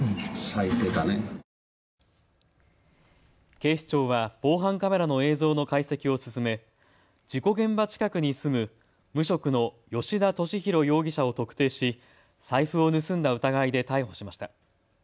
警視庁は防犯カメラの映像の解析を進め事故現場近くに住む無職の吉田俊博容疑者を特定し財布を盗んだ疑いで逮捕しました。